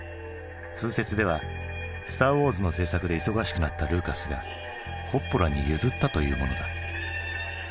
通説では「スター・ウォーズ」の製作で忙しくなったルーカスがコッポラに譲ったというものだ。